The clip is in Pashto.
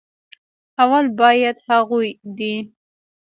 اول بايد هغوي دې